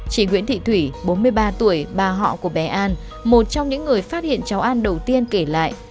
chị nguyễn thị thủy bốn mươi ba tuổi bà họ của bé an một trong những người phát hiện cháu an đầu tiên kể lại